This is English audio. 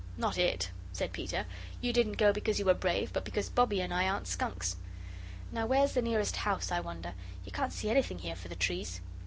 "Not it," said Peter; "you didn't go because you were brave, but because Bobbie and I aren't skunks. Now where's the nearest house, I wonder? You can't see anything here for the trees."